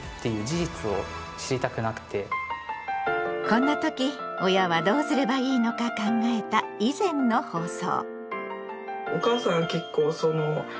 こんな時親はどうすればいいのか考えた以前の放送。